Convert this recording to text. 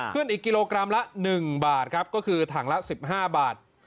ขึ้นอีกกิโลกรัมละ๑บาทครับก็คือถังละ๑๕บาท